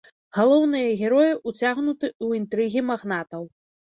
Галоўныя героі ўцягнуты ў інтрыгі магнатаў.